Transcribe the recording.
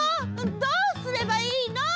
どうすればいいの！